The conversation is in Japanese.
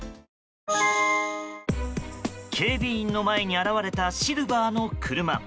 警備員の前に現れたシルバーの車。